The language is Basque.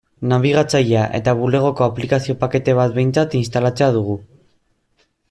Nabigatzailea eta Bulegoko aplikazio-pakete bat behintzat instalatzea dugu.